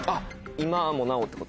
今もなおってこと？